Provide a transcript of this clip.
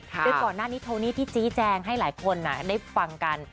โดยก่อนหน้านี้โทนี่ที่ชี้แจงให้หลายคนได้ฟังกัน